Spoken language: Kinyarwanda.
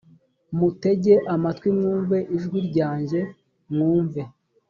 mutege amatwi mwumve ijwi ryanjye mwumve